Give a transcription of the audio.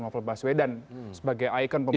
novel baswedan sebagai ikon pemberantasan korupsi